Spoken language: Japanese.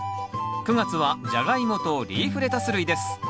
９月は「ジャガイモ」と「リーフレタス類」です。